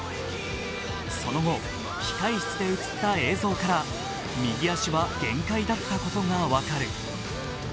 その後、控え室で映った映像から右足は限界だったことが分かる。